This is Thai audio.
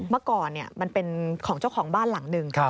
เมื่อก่อนมันเป็นของเจ้าของบ้านหลังหนึ่ง